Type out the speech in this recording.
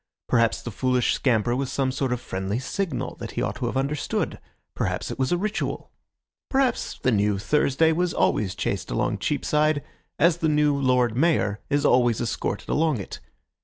Perhaps the foolish scamper was some sort of friendly signal that he ought to have understood. Perhaps it was a ritual. Perhaps the new Thursday was always chased along Cheapside, as the new Lord Mayor is always escorted along it.